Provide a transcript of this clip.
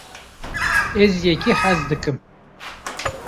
ez yekî hez dikim